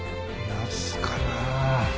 ナスかな。